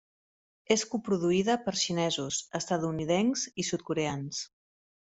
És coproduïda per xinesos, estatunidencs i sud-coreans.